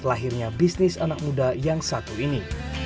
lahirnya bisnis anak muda yang satu ini